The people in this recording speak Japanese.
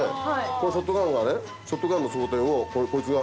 このショットガンがねショットガンの装填をこいつが。